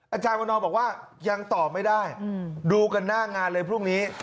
อาจารย์วันนอบอกว่ายังตอบไม่ได้ดูกันหน้างานเลยพรุ่งนี้